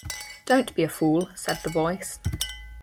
"Don't be a fool," said the Voice.